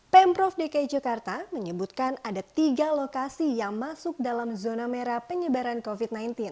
pemprov dki jakarta menyebutkan ada tiga lokasi yang masuk dalam zona merah penyebaran covid sembilan belas